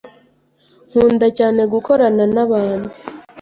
Nkunda cyane gukorana nabantu.